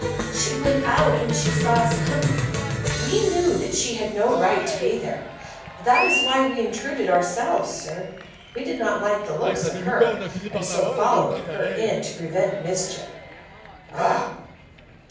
"She went out when she saw us coming. We knew that she had no right to be here. That is why we intruded ourselves, sir. We did not like the looks of her, and so followed her in to prevent mischief." "Ah!"